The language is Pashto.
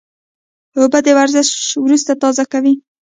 اوبه د ورزش وروسته تازه کوي